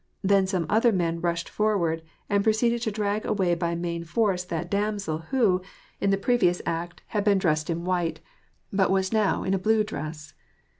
Then some other men rushed forward, and pro ceeded to drag away by main force that damsel whO; in the 344 WAR AND PEACE. previous act^ liad been dressed in white, but was now in a blue dress.